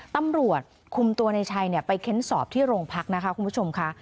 ตำรวจคุมตัวในชัยไปเค้นสอบที่โรงพักนะคะคุณผู้ชมค่ะ